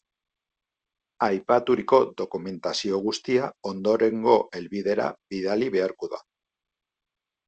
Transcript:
Aipaturiko dokumentazio guztia ondorengo helbidera bidali beharko da.